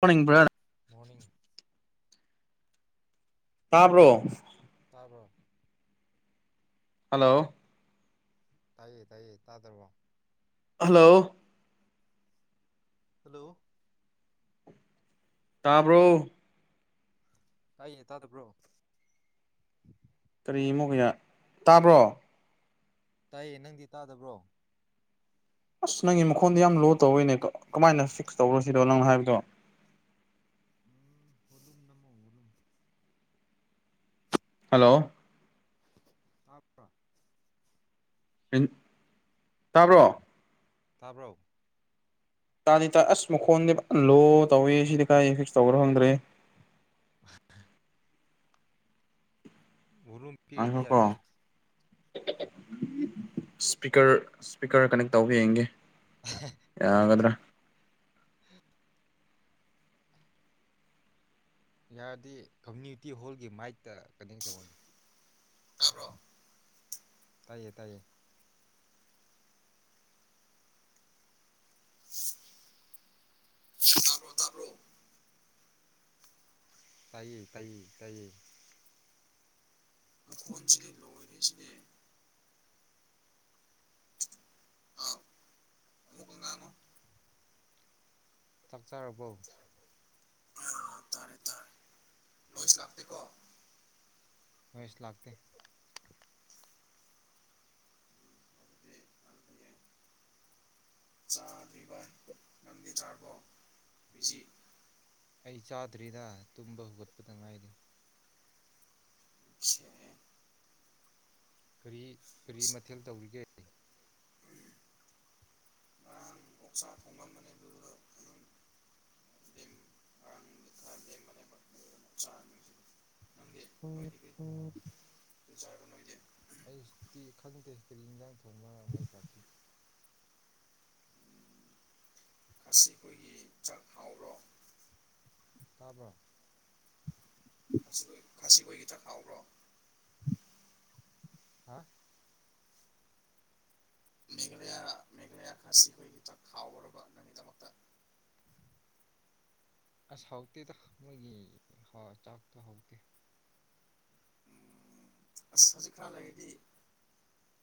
ꯁꯥꯎꯅꯤꯡꯕ꯭ꯔꯥꯅ morning ꯇꯥꯕ꯭ꯔꯣ bro hello ꯇꯥꯌꯦ ꯇꯥꯌꯦ ꯇꯥꯗꯕ꯭ꯔꯣ ꯍꯜꯂꯣ ꯍꯜꯂꯣ ꯇꯥꯕ꯭ꯔꯣ ꯇꯥꯌꯦ ꯇꯥꯗꯕ꯭ꯔꯣ ꯀꯔꯤ ꯑꯃꯨꯛ ꯌꯥ ꯇꯥꯕ꯭ꯔꯣ ꯇꯥꯏꯌꯦ ꯅꯪꯗꯤ ꯇꯥꯗꯕ꯭ꯔꯣ ꯑꯁ ꯅꯪꯒꯤ ꯃꯈꯣꯟꯗꯨ ꯌꯥꯝ ꯂꯣ ꯇꯧꯏꯅꯦ ꯀꯃꯥꯏꯅ ꯐꯤꯛꯁ ꯇꯧꯔꯣꯁꯤꯔꯣ ꯅꯪꯅ ꯍꯥꯏꯕꯗꯣ ꯎꯝ ꯕꯣꯂꯨꯝ ꯅꯝꯃꯣ ꯕꯣꯂꯨꯝ ꯍꯜꯂꯣ ꯍꯥꯞꯄ꯭ꯔꯥ ꯇꯥꯕ꯭ꯔꯣ ꯇꯥꯕ꯭ꯔꯣ ꯇꯥꯗꯤꯇꯥꯏ ꯑꯁ ꯃꯈꯣꯟꯗꯤ ꯐꯖꯅꯥ ꯂꯣ ꯇꯧꯋꯦ ꯁꯤꯗꯤ ꯀꯗꯥꯏ ꯐꯤꯛꯁ ꯇꯧꯕꯔꯣ ꯈꯪꯗ꯭ꯔꯦ [inaudible] ꯚꯣꯂꯨꯝ ꯄꯤꯛ ꯑꯗꯤ ꯌꯥꯗꯦ ꯏꯁꯄꯤꯀꯔ ꯏꯁꯄꯤꯀꯔ ꯀꯅꯦꯛ ꯇꯧ ꯌꯦꯡꯒꯦ ꯌꯥꯒꯗ꯭ꯔꯥ ꯌꯥꯔꯗꯤ ꯀꯝꯃꯨꯅꯤꯇꯤ ꯍꯣꯜꯒꯤ ꯃꯥꯏꯠꯇ ꯀꯅꯦꯛ ꯇꯧꯌꯣꯅꯦ ꯇꯥꯏꯌꯦ ꯇꯥꯏꯌꯦ ꯇꯥꯏꯌꯦ ꯇꯥꯏꯌꯦ ꯇꯥꯏꯌꯦ ꯆꯥꯛꯆꯔꯕꯣ ꯃꯩꯁꯨ ꯂꯥꯛꯇꯦ ꯑꯩ ꯆꯥꯗ꯭ꯔꯤꯗ ꯇꯨꯝꯕ ꯍꯧꯒꯠꯄꯗ ꯉꯥꯏꯔꯤ ꯀꯔꯤ ꯀꯔꯤ ꯃꯊꯦꯜ ꯇꯧꯔꯤꯒꯦ ꯑꯩ ꯁꯨꯇꯨ ꯈꯪꯗꯦ ꯀꯔꯤ ꯏꯟꯖꯥꯡ ꯊꯣꯡꯕ ꯃꯣꯏ ꯄꯥꯔꯇꯤ [inaudible] ꯇꯥꯕ꯭ꯔꯣ ꯈꯥꯁꯤ ꯍꯣꯏꯒꯤ ꯆꯥꯛ ꯍꯥꯎꯕ꯭ꯔꯣ ꯍꯥ ꯈꯥꯁꯤ ꯑꯈ‌ꯣꯏꯒꯤ ꯆꯥꯈꯥꯎ ꯑꯁ ꯍꯥꯎꯇ‌ꯦꯗ ꯃꯣꯏꯒꯤ ꯍ ꯆꯥꯛꯇꯣ ꯍꯥꯎꯇ‌ꯦ ꯑꯁ ꯍꯧꯖꯤꯛ ꯈꯔ ꯂꯩꯔꯗꯤ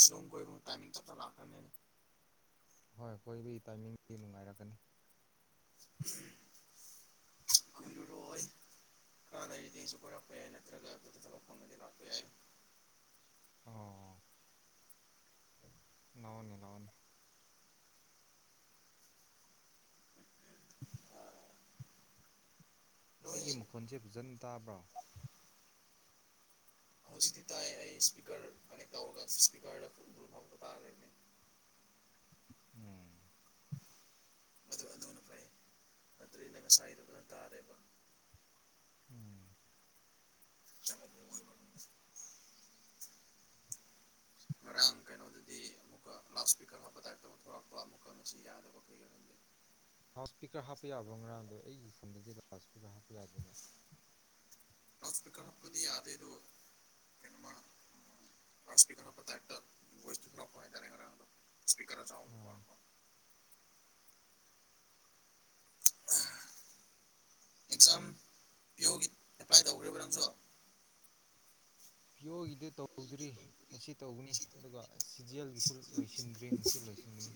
ꯁꯤꯂꯣꯡ ꯀꯣꯏꯕ ꯇꯥꯏꯃꯤꯡ ꯆꯞ ꯆꯥꯅ ꯂꯥꯛꯈ꯭ꯔꯅꯦ ꯍꯣꯏ ꯀ‌ꯣꯏꯕꯩ ꯇꯥꯏꯃꯤꯡꯗꯤ ꯅꯨꯡꯉꯥꯏꯔꯀꯅꯤ ꯎꯝ ꯀꯨꯏꯔꯣꯏ ꯈꯔ ꯂꯩꯔꯗꯤ ꯑꯩꯁꯨ ꯀꯣꯏꯔꯛꯄ ꯌꯥꯏ ꯅꯠꯇ꯭ꯔꯒ ꯑꯗꯨꯗ ꯊꯕꯛ ꯐꯪꯉꯗꯤ ꯂꯥꯛꯄ ꯌꯥꯏ ꯑꯣ ꯂꯥꯛꯎꯅ‌ꯦ ꯂꯥꯛꯎꯅ‌ꯦ ꯑꯩꯒꯤ ꯃꯈꯣꯟꯁꯦ ꯐꯖꯅ ꯇꯥꯕ꯭ꯔꯣ [unintelligible] ꯎꯝ ꯑꯗꯨ ꯑꯗꯨꯅ ꯐꯩ ꯅꯠꯇ꯭ꯔꯗꯤ ꯉꯁꯥꯏꯗꯨꯅ ꯇꯥꯗ‌ꯦꯕ ꯎꯝ [unintelligible] ꯉꯔꯥꯡ ꯀꯩꯅꯣꯗꯗꯤ ꯑꯃꯨꯛꯀ ꯂꯥꯎꯠ ꯏꯁꯄꯤꯀꯔ ꯍꯥꯞꯄ ꯇꯥꯏꯞꯇ ꯊꯣꯛꯂꯛꯄ ꯑꯃꯨꯛꯀ ꯃꯁꯤ ꯌꯥꯗꯕ ꯀꯩꯒꯤꯔꯝꯗꯦ ꯂꯥꯎꯠ ꯏꯁꯄꯤꯀꯔ ꯍꯥꯞꯄ ꯌꯥꯕ꯭ꯔꯣ ꯉꯔꯥꯡꯗꯣ ꯑꯩꯒꯤ ꯐꯣꯟꯗꯗꯤ ꯂꯥꯎꯠ ꯏꯁꯄꯤꯀꯔ ꯍꯥꯞꯄ ꯌꯥꯗꯦꯅꯦ ꯂꯥꯎꯠ ꯏꯁꯄꯤꯀꯔ ꯍꯞꯄꯗꯤ ꯌꯥꯗ‌ꯦ ꯑꯗꯨ ꯂꯥꯎꯠ ꯏꯁꯄꯤꯀꯔ ꯍꯥꯞꯄꯩ ꯇꯥꯏꯞ ꯇ [unintelligible] ꯏꯁꯄꯤꯀꯔ ꯑꯣ [unintelligible] ꯑꯦꯛꯖꯥꯝ ꯄꯤꯑꯣꯒꯤ ꯑꯦꯄ꯭ꯂꯥꯏ ꯇꯧꯈ꯭ꯔꯕ ꯅꯪꯁꯨ ꯄꯤꯌꯣꯒꯤꯗꯤ ꯇꯧꯗ꯭ꯔꯤ ꯉꯁꯤ ꯇꯧꯒꯅꯤ ꯑꯗꯨꯒ ꯁꯤꯖꯦꯜꯒꯤꯁꯨ ꯂꯣꯏꯁꯤꯟꯗ꯭ꯔꯤ ꯉꯁꯤ ꯂꯣꯏꯁꯤꯟꯅꯤ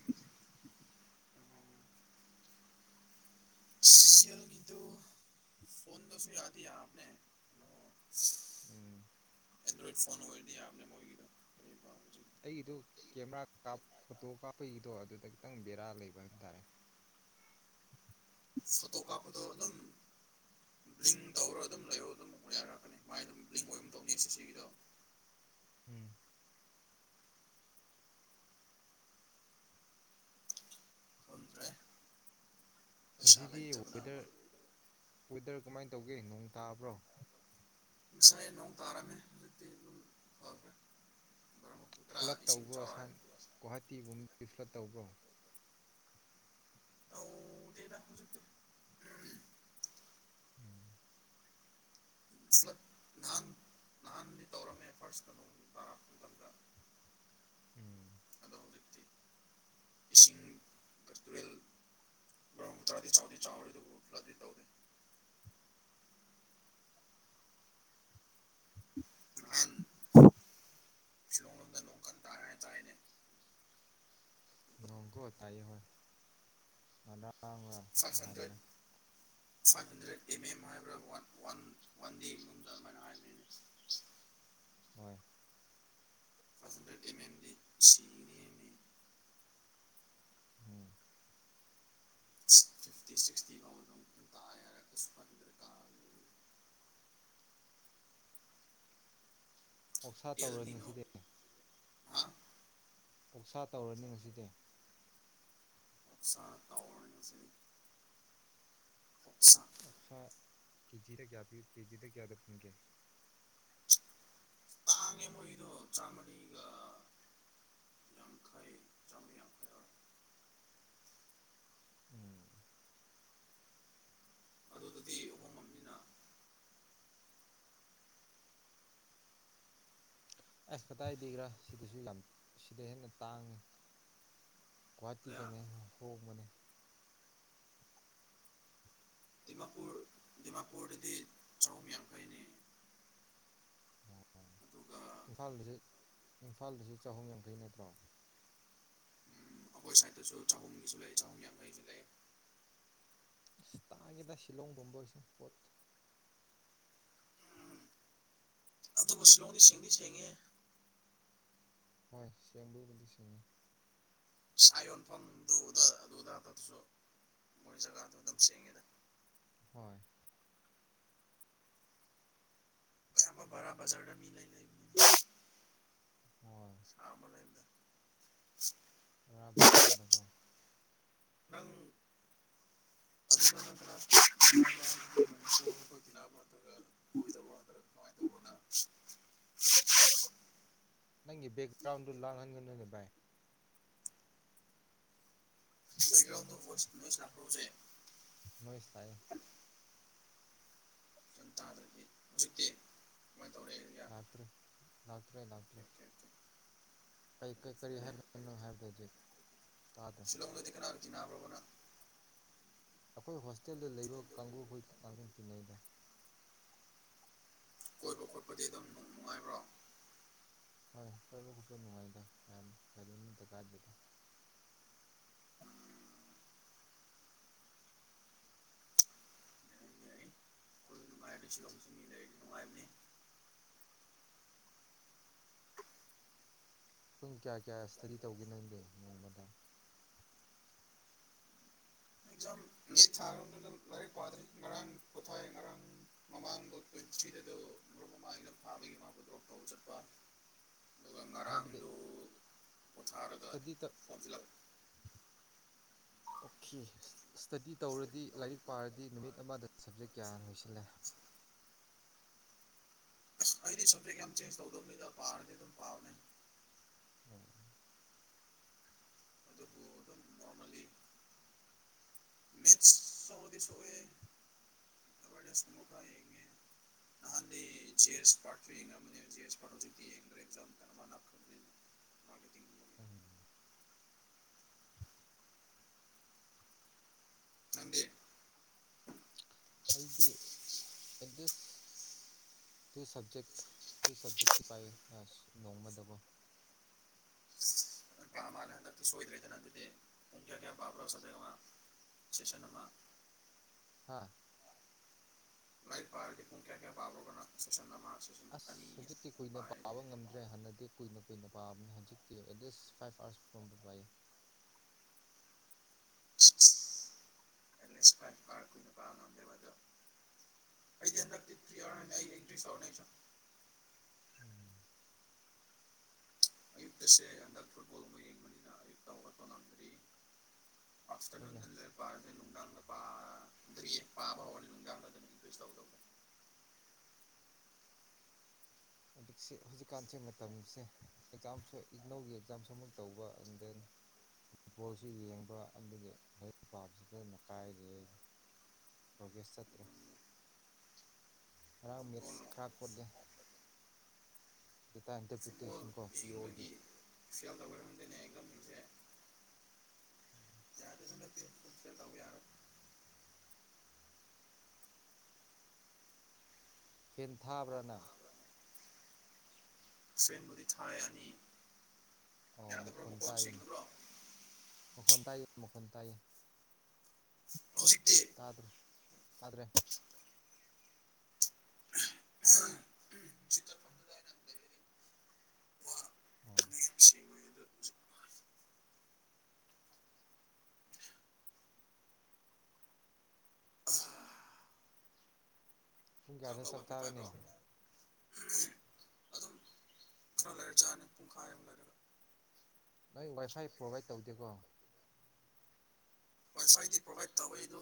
ꯁꯤꯖꯤꯜꯒꯤꯗꯨ ꯐꯣꯟꯗꯁꯨ ꯌꯥꯗꯤ ꯌꯥꯕꯅꯦ ꯎꯝ ꯑꯦꯟꯗ꯭ꯔ‌ꯣꯏꯠ ꯐꯣꯟ ꯑꯣꯏꯔꯗꯤ ꯌꯥꯕꯅ‌ꯦ ꯃꯣꯏꯒꯤꯗ‌ꯣ ꯑꯩꯒꯤꯗꯨ ꯀꯦꯃꯦꯔꯥ ꯐꯣꯇꯣ ꯀꯥꯞꯄꯒꯤꯗꯣ ꯑꯗꯨꯗ ꯈꯤꯇꯪ ꯕꯦꯔꯥ ꯂꯩꯕ ꯍꯥꯏ ꯇꯥꯔꯦ ꯐꯣꯇꯣ ꯀꯥꯞꯄꯗꯣ ꯑꯗꯨꯝ ꯂꯤꯡ ꯇꯧꯔ ꯑꯗꯨꯝ ꯂꯩꯌ‌ꯣ ꯑꯗꯨꯝ ꯌꯥꯔꯛꯀꯅꯤ ꯃꯥꯏ ꯑꯗꯨꯝ ꯂꯤꯡ ꯑꯣꯏꯒꯨꯝ ꯇꯧꯅꯤ ꯑꯦꯁ ꯑꯦꯁ ꯁꯤꯒꯤꯗꯣ ꯎꯝ [unintelligible] ꯗꯔ‌ꯦ ꯄꯩꯁꯥ ꯉꯁꯤꯗꯤ ꯂꯩꯇꯕꯅ ꯃ ꯋꯦꯗꯔ [unintelligible] ꯋꯦꯗꯔ ꯀꯃꯥꯏꯅ ꯇꯧꯒꯦ ꯅꯣꯡ ꯇꯥꯕ꯭ꯔꯣ ꯉꯁꯥꯏ ꯅꯣꯡ ꯇꯥꯔꯝꯃꯦ ꯍꯧꯖꯤꯛꯇꯤ ꯗꯨꯝ ꯐꯈꯔ‌ꯦ ꯐ꯭ꯂꯠ ꯇꯧꯕ꯭ꯔꯣ ꯑꯁꯥꯝ ꯒꯨꯍꯥꯇꯤ ꯕꯨꯝ ꯔꯤꯐ꯭ꯂꯠ ꯇꯧꯕ꯭ꯔꯣ ꯇꯧꯗ‌ꯦꯗ ꯍꯧꯖꯤꯛꯇꯤ ꯎꯝ ꯎꯝ ꯅꯍꯥꯟ ꯅꯍꯥꯟꯗꯤ ꯇꯧꯔꯝꯃꯦ ꯐꯥꯔꯁꯇ ꯅꯣꯡ ꯇꯥꯔꯛꯕꯗ ꯎꯝ ꯍꯧꯖꯤꯛꯇꯤ ꯏꯁꯤꯡ ꯇꯨꯔꯦꯜ ꯃꯔ ꯇꯔꯥꯗꯤ ꯆꯥꯎꯗꯤ ꯆꯥꯎꯔꯦ ꯑꯗꯨꯕꯨ ꯐꯂꯠꯗꯤ ꯇꯧꯗ‌ꯦ ꯅꯍꯟ ꯁꯤꯂ‌ꯣꯡ ꯔ‌ꯣꯝꯗ ꯅ‌ꯣꯡ ꯀꯟ ꯇꯥꯏ ꯍꯥꯏꯗꯥꯏꯅꯦ ꯅ‌ꯣꯡ ꯒꯣ ꯇꯥꯏꯌꯦ ꯍꯣꯏ [unintelligible] ꯁꯟ [unintelligible] ꯅꯍꯥꯟꯔ ꯁꯟꯗꯔ‌ꯦ ꯁꯟꯗ꯭ꯔꯦꯠ [unintelligible] ꯑ ꯑꯦꯝ ꯍꯥꯏꯕ꯭ꯔꯥ ꯋꯥꯟ ꯋꯥꯟ ꯋꯥꯟꯗ‌ꯦ ꯒꯤ ꯃꯅꯨꯡꯗ ꯑꯗꯨꯃꯥꯏꯅ ꯍꯥꯏꯕꯅꯤꯅ‌ꯦ ꯍꯣꯏ [unintelligible] ꯗꯤ ꯁꯤꯅ‌ꯦꯝꯅꯤ ꯎꯝ ꯐꯤꯐꯇꯤ ꯁꯤꯛꯁꯇꯤ ꯐꯥꯎ ꯃꯅꯨꯡ ꯇꯥꯏ ꯍꯥꯏꯔꯒꯁꯨ [unintelligible] [unintelligible] ꯑꯣꯛꯁꯥ ꯇꯧꯔꯣꯅ‌ꯦ ꯉꯁꯤꯗꯤ ꯑꯣꯛꯁꯥ ꯇꯧꯔꯅꯤ ꯉꯁꯤꯗꯤ ꯃꯥꯅ ꯇꯥꯎꯁ ꯑ ꯑꯣꯛꯁꯥ ꯀꯦꯖꯤꯗ ꯀꯌꯥ ꯄꯤꯌ ꯀꯦꯖꯤꯗ ꯀꯌꯥꯗ ꯐꯨꯡꯒꯦ ꯍꯥꯡꯉꯦ ꯃꯣꯏꯗꯣ ꯆꯥꯝꯃꯔꯤꯒ ꯌꯥꯡꯈꯩ ꯆꯥꯝꯃꯔꯤ ꯌꯥꯡꯈꯩ ꯑꯣꯏꯔ ꯎꯝ ꯑꯗꯨꯗꯨꯗꯤ ꯑꯍꯣꯡꯉꯝꯅꯤꯅ ꯑꯩꯁ ꯀꯗꯥꯏꯗꯒꯤꯒꯔꯥ ꯁꯤꯗꯁꯨ ꯌꯥꯝ ꯁꯤꯗ ꯍꯦꯟꯅ ꯇꯥꯡꯉꯤ ꯀꯍꯇꯤꯗꯅꯦ ꯍꯣꯡꯕꯅꯦ ꯗꯤꯃꯥꯄꯨꯔ ꯗꯤꯃꯥꯄꯨꯔꯗꯗꯤ ꯆꯍꯨꯝ ꯌꯥꯈꯩꯅꯤ ꯏꯝꯐꯥꯜꯗꯁꯨ ꯏꯝꯐꯥꯜꯗꯁꯨ ꯆꯍꯨꯝ ꯌꯥꯡꯈꯩ ꯅꯠꯇ꯭ꯔꯣ ꯑꯩꯈꯣꯏ ꯁꯥꯏꯠꯇꯁꯨ ꯆꯍꯨꯝꯒꯤꯁꯨ ꯂꯩ ꯆꯍꯨꯝ ꯌꯥꯡꯈꯩꯁꯨ ꯂꯩ ꯑꯁ ꯇꯥꯒꯦꯗ ꯁꯤꯂꯣꯡ ꯄꯨꯝꯝꯕꯁꯦ ꯄꯣꯠ ꯑꯗꯨꯕꯨꯁꯂꯣꯡꯗꯤ ꯁꯤꯡꯗꯤ ꯁꯦꯡꯉꯦ ꯍꯣꯏ ꯁꯦꯝꯦꯡꯕꯕꯨꯗꯤ ꯁꯦꯡꯉ ꯁꯥ ꯌꯣꯟꯐꯝꯗꯨꯗ ꯑꯗꯨꯗꯇꯁꯨ ꯃꯣꯏ ꯖꯒꯥꯗꯨ ꯑꯗꯨꯝ ꯆꯦꯡꯉꯦꯗ ꯍꯣꯏ ꯁꯥꯃ ꯔꯕꯖꯔꯗ ꯃꯤꯂ ꯂ ꯍꯣꯏ ꯁꯃ ꯂꯩꯗ ꯔꯥꯞ ꯖꯔꯗꯕꯦꯜ ꯅꯪꯉ ꯅꯪꯒꯤ ꯕꯦꯛꯒ꯭ꯔꯥꯎꯟꯗꯨ ꯂꯥꯡꯍꯟꯒꯅꯣꯏꯅꯦ ꯚꯥꯏ ꯭ꯔꯥꯎ ꯐꯔ ꯅꯣꯏ ꯏꯁꯂꯑ ꯁ ꯇꯥꯗꯗꯤ ꯍꯧꯖꯤꯛꯇꯤ ꯀꯃꯥꯏꯅ ꯇꯧꯔꯦ ꯂꯇ꯭ꯔ ꯂꯥꯛꯇ꯭ꯔ ꯀ ꯀ ꯀꯔꯤ ꯍꯥꯏꯔ ꯍꯥꯏꯖꯦ ꯇꯥꯗ ꯑꯩꯈꯣꯏ ꯍꯣꯁꯇꯦꯜꯗ ꯂꯩꯕ ꯀꯥꯡꯒꯕꯨꯈꯣꯏ ꯉꯍꯥꯛꯇꯪ ꯇꯤꯟꯅꯩꯗ ꯀꯣꯏꯕ ꯈꯣꯠꯄꯗꯤ ꯑꯗꯨꯝ ꯅꯨꯡꯉꯥꯏꯕ꯭ꯔꯣ ꯍꯣꯏ ꯍꯣꯏꯕꯨ ꯅꯨꯡꯉꯥꯏꯗ ꯀꯔꯤ ꯊꯀꯥ ꯅꯨꯡꯉꯥꯏ ꯁꯤꯂꯁꯤ ꯃꯤ ꯂꯩꯔꯤ ꯅꯨꯡꯉꯥꯏꯕꯅꯤ ꯄꯨꯡ ꯀꯌꯥ ꯀꯌꯥ ꯏꯁꯇꯗꯤ ꯇꯧꯒꯦ ꯅꯪꯗꯦ ꯅꯣꯡꯃꯗ ꯖꯥꯝ ꯊꯥꯔꯣꯝꯅ ꯂꯥꯏꯔꯤꯛ ꯄꯥꯗ꯭ꯔꯤ ꯉꯔꯥꯡ ꯄꯣꯊꯥꯏ ꯉꯔꯥꯡ ꯃꯃꯥꯡꯗ꯭ꯋꯤ ꯊ꯭ꯔꯤꯗꯨꯞ ꯃꯃꯥꯒ ꯐꯥꯕꯒꯤ ꯃꯥ ꯇꯧꯕ ꯆꯠꯄ ꯑꯗꯨꯒ ꯍꯥꯏꯕꯗꯤ ꯉꯔꯥꯡꯗꯨ ꯄꯣꯊꯥꯔꯒ ꯏꯁꯇꯗꯤ ꯇ ꯐꯣꯖꯤꯜꯂꯛ ꯁ꯭ꯇꯗꯤ ꯇꯧꯔꯗꯤ ꯂꯥꯏꯔꯤꯛ ꯄꯥꯔꯗꯤ ꯅꯨꯃꯤꯠ ꯑꯃꯗ ꯁꯞꯖꯦꯛ ꯒ꯭ꯌꯥꯟ ꯂꯣꯏꯁꯤꯜꯂꯦ ꯑꯩꯗꯤ ꯁꯇꯦ ꯁꯥꯎꯊ ꯑꯐꯀꯥ ꯄꯥꯔꯅꯦꯦ ꯑꯗꯨꯝ ꯄꯥꯎꯅꯦ ꯎꯝ ꯎꯝ [inaudible] ꯅꯗꯦ ꯑꯩꯗꯤ ꯑꯦꯠꯂꯤꯁ ꯇꯨ ꯁꯕꯖꯦꯛ ꯇꯨ ꯁꯕꯖꯦꯛꯇꯤ ꯄꯥꯏꯌꯦ ꯑ ꯅꯣꯡꯃꯗꯀꯣ ꯛꯇ ꯁꯣꯏꯗ꯭ꯔꯦꯗꯅ ꯑꯗꯨꯗꯤ ꯀꯌꯥ ꯀꯌꯥ ꯄꯥꯄꯔ ꯁꯗ ꯋꯥ ꯁꯤꯁꯅꯃ ꯍꯥꯥ ꯂꯥꯏ ꯄꯥꯔ ꯂꯤ ꯀꯌꯥ ꯀꯌꯥ ꯄꯕꯥꯔꯣꯒꯅ ꯁꯨꯁꯟ ꯃꯥ ꯑꯁ ꯍꯧꯖꯤꯛꯇꯤ ꯀꯨꯏꯅ ꯄꯥꯕ ꯉꯝꯗ꯭ꯔꯦ ꯍꯥꯟꯅꯗꯤ ꯀꯨꯏꯅ ꯀꯨꯏꯅ ꯄꯥꯕꯅꯤ ꯍꯧꯖꯤꯛꯇꯤ ꯑꯦꯠꯂꯤꯁ ꯐꯥꯏꯚ ꯑꯥꯔꯁ ꯐꯝꯕ ꯄꯥꯏꯌꯦ [inaudible] ꯑꯦꯛꯂꯤꯁ ꯐꯥꯏꯔ ꯀꯨꯏ ꯅꯨꯄꯥ ꯉꯝꯗꯦꯕ ꯑꯗꯣ ꯑꯩꯗꯤ ꯍꯟꯗꯛꯇꯤ ꯊ꯭ꯔꯤ ꯑꯋꯥꯔ ꯍꯥꯏꯅꯤ ꯑꯩ ꯑꯦꯟꯇ꯭ꯔꯤꯁ ꯑꯔꯅꯦꯩꯁꯨ ꯎꯝ ꯑꯌꯨꯛꯇꯁ ꯑꯗ ꯐꯨꯠꯣꯜꯅꯤ ꯑꯌꯛꯇ ꯇ ꯍꯣꯏꯅꯦ ꯑꯐꯇꯔꯅꯟ ꯂꯩꯔ ꯄꯥꯕꯅꯤ ꯇꯧꯕ [inaudible] ꯍꯧꯛ ꯍꯧꯖꯤꯛꯀꯥꯟꯁꯦ ꯃꯇꯝꯁꯦ ꯑꯦꯛꯖꯥꯝꯁꯨ ꯏꯅꯧꯒꯤ ꯑꯦꯛꯖꯥꯝꯁꯨ ꯑꯃꯨꯛ ꯇꯧꯕ ꯑꯦꯟ ꯗꯦꯟ ꯐꯨꯠꯕꯣꯜꯁꯨ ꯌꯦꯡꯕ ꯑꯗꯨꯗꯒꯤ ꯍꯩꯛ ꯄꯥꯕꯁꯤ ꯐꯖꯅ ꯀꯥꯏꯔꯦ ꯄ꯭ꯔꯣꯒ꯭ꯔꯦꯁ ꯆꯠꯇ꯭ꯔꯦ ꯉꯔꯥꯡ ꯃꯦꯠꯁ ꯈꯔ ꯈꯣꯠꯂꯦ ꯦꯇ ꯏꯟꯇꯔꯄ꯭ꯔꯤꯇꯦꯁꯟ ꯀꯣ ꯄꯤ ꯑꯣꯑꯣꯒꯦ ꯐꯦꯟ ꯊꯥꯕ꯭ꯔꯥꯅ ꯁꯦꯟꯟ ꯃ ꯊꯥꯏ ꯑ ꯑꯣ ꯌꯥꯗ ꯄ꯭ꯔꯣ ꯃꯈꯣꯟ ꯇꯥꯏꯌꯦꯅꯦ ꯃꯨꯀꯣꯟꯁꯤꯕ꯭ꯔꯣ [inaudible] ꯃꯈꯣꯟ ꯇꯏꯌꯦ ꯃꯈꯣꯟ ꯇꯏꯌꯦ ꯍꯦꯖꯤꯛꯇꯤ ꯇꯥꯗ꯭ꯔꯦ ꯑꯣ ꯄꯨꯡ ꯀꯌꯥꯗ ꯆꯥꯛ ꯆꯥꯕꯅꯤ ꯅꯣꯏ ꯋꯥꯏꯐꯥꯏ ꯄ꯭ꯔꯣꯚꯏꯠ ꯇꯧꯗꯦꯀꯣ ꯋꯥꯏ ꯐꯥꯏꯗꯤ ꯄ꯭ꯔꯣꯚꯥꯏꯗ ꯇꯧꯋꯦ ꯑꯗꯣ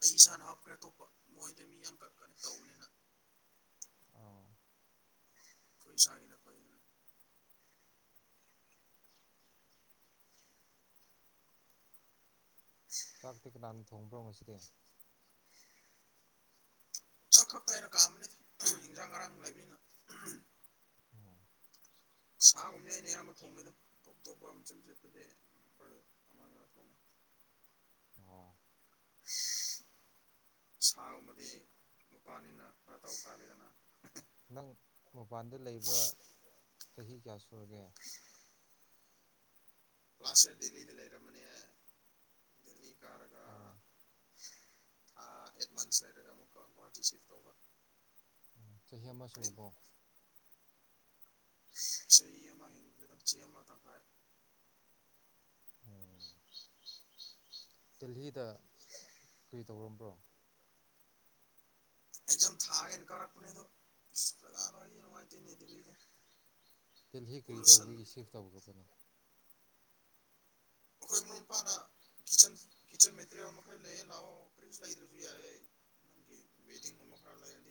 ꯑꯩ ꯏꯁꯥꯅ ꯍꯥꯞꯈ꯭ꯔꯦ ꯑꯇꯣꯞꯄ ꯃꯣꯏꯗ ꯃꯤ ꯌꯥꯝꯈꯛ ꯀꯩꯅꯣ ꯇꯧꯕꯅꯤꯅ ꯑꯣ ꯀꯣꯏ ꯁꯉꯅꯣꯏ ꯆꯥꯛꯇꯦ ꯀꯅꯥꯅ ꯊꯣꯡꯕ꯭ꯔꯣ ꯉꯁꯤꯗꯤ ꯑꯣ ꯁꯥꯒꯨꯝꯅꯦ ꯑꯩꯅ ꯑꯌꯥꯝꯕ ꯊꯣꯡꯉꯦꯗ ꯑꯣꯞꯇꯣꯞꯄ ꯑꯃꯆ ꯆꯠꯄꯗꯉ [inaudible] ꯑꯣ [inaudible] ꯁꯥꯒꯨꯝꯕꯗꯤ ꯅꯨꯄꯥꯅꯤꯅ ꯈꯔ ꯇꯧ ꯀꯥꯜꯂꯤꯗꯅ ꯅꯪ ꯃꯄꯥꯟꯗ ꯂꯩꯕ ꯆꯍꯤ ꯀꯌꯥ ꯁꯨꯔꯒꯦ ꯀ꯭ꯂꯥꯁ ꯗꯦꯜꯂꯤ ꯂꯩ ꯔꯃꯅꯦ ꯍꯥꯏ ꯗꯜꯂꯤ ꯀꯔ ꯑꯣ ꯑꯦꯗꯚꯥꯟꯁ ꯍꯥꯏꯔꯒ ꯑꯃꯨꯛꯀ ꯄꯇꯤꯁꯤꯞ ꯇꯧꯕ ꯑꯣ ꯆꯍꯤ ꯑꯃ ꯁꯨꯔꯕꯣ ꯆꯩꯃ ꯅꯤꯡꯃ ꯊꯝꯕꯔꯦ ꯑꯣ ꯗꯦꯜꯍꯤꯗ ꯀꯔꯤ ꯇꯧꯔꯝꯕ꯭ꯔꯣ ꯑꯩꯖꯝ ꯊꯥꯒꯦꯅ ꯀꯥꯔꯛꯄꯅꯦ ꯑꯗꯣꯖꯥ ꯅꯨꯡꯉꯥꯏꯇꯦꯅꯦꯗ ꯇꯤꯜꯍꯤ ꯀꯔꯤ ꯇꯧꯕꯒꯤ ꯁꯤꯐ ꯇꯧꯈ꯭ꯔꯕꯅꯣ ꯑꯩꯈꯣꯏ ꯃꯔꯨꯞ ꯃꯄꯥꯅꯤꯆꯟ ꯃꯦꯇꯔꯤꯌꯦꯜ ꯑꯃ ꯈꯔ ꯂꯩꯌꯦ ꯂꯥꯛꯑꯣ ꯀꯔꯤꯁꯨ ꯂꯩꯗ꯭ꯔꯁꯨ ꯌꯥꯔꯦ ꯅꯪ ꯕꯦꯗꯤꯡ ꯑꯃ ꯈꯔ ꯂꯩꯔꯗꯤ [inaudible]